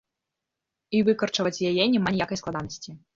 І выкарчаваць яе няма ніякай складанасці.